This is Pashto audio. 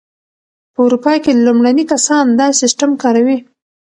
په اروپا کې لومړني کسان دا سیسټم کاروي.